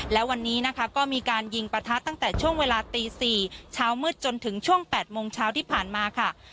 และวันนี้นะคะก็มีการยิงประทะตั้งแต่ช่วงเวลาตี๔เช้ามืดจนถึงช่วง๘โมงเช้าที่ผ่านมาค่ะ